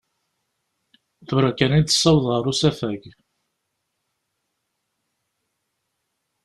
Tura kan i t-ssawḍeɣ ar usafag.